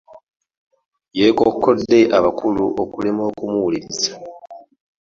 Yekkokkodde abakulu okulema okumuwuliriza.